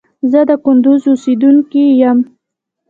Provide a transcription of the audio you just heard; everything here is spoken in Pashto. زه د کندوز اوسیدونکي یم